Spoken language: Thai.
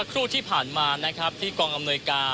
คุณทัศนาควดทองเลยค่ะ